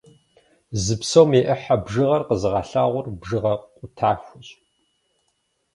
Зы псом и ӏыхьэ бжыгъэр къэзыгъэлъагъуэр бжыгъэ къутахуэщ.